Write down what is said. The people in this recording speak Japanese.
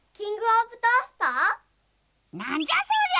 なんじゃそりゃ！